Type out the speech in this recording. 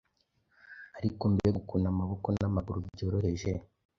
Ariko mbega ukuntu amaboko namaguru byoroheje